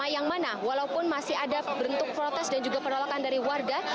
yang mana walaupun masih ada bentuk protes dan juga penolakan dari warga